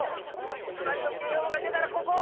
つなみのけいほうがでたらここ！